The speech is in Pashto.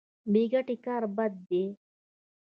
بې ګټې کار بد دی.